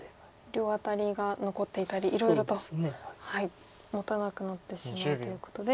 両アタリが残っていたりいろいろともたなくなってしまうということで。